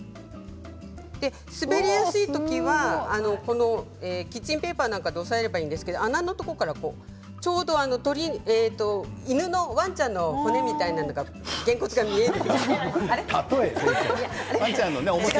滑りやすい時はキッチンペーパーなどで押さえればいいんですけれども穴のところからちょうど犬の、ワンちゃんの骨みたいなげんこつが見える。